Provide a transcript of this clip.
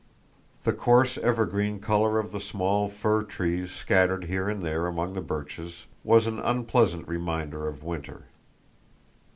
The coarse evergreen color of the small fir trees scattered here and there among the birches was an unpleasant reminder of winter.